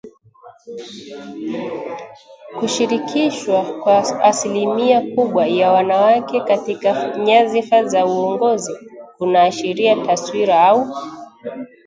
Kushirikishwa kwa asilimia kubwa ya wanawake katika nyadhifa za uongozi kunaashiria taswira au